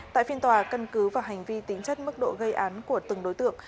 tại phiên tòa cân cứ vào hành vi tính chất mức độ gây án của từng đối tượng